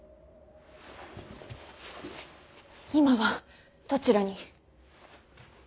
今はどちらに。